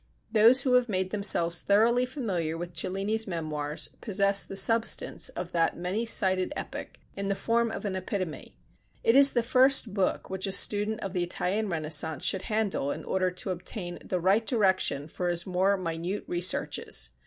Those who have made themselves thoroughly familiar with Cellini's Memoirs possess the substance of that many sided epoch in the form of an epitome. It is the first book which a student of the Italian Renaissance should handle in order to obtain the right direction for his more minute researches.